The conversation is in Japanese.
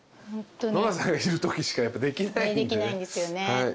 ノラさんがいるときしかやっぱできないんでね。